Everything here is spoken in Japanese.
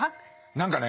何かね